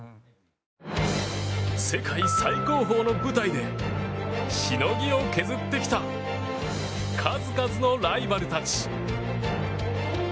世界最高峰の舞台でしのぎを削ってきた数々のライバルたち。